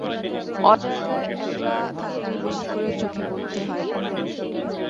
অজায়গায় একলা থাকলেই বেশি করে চোখে পড়তে হয়।